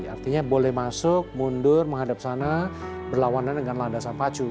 artinya boleh masuk mundur menghadap sana berlawanan dengan landasan pacu